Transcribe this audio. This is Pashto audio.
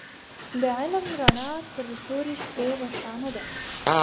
د علم رڼا تر تورې شپې روښانه ده.